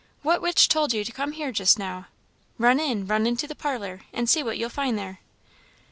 What witch told you to come here just now? Run in; run into the parlour, and see what you'll find there."